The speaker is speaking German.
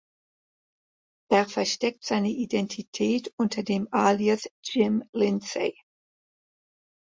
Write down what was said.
Er versteckt seine Identität unter dem Alias Jim Lindsay.